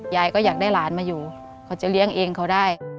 ยายก็อยากได้หลานมาอยู่เขาจะเลี้ยงเองเขาได้